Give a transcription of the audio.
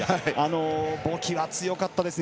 ボキは強かったですね。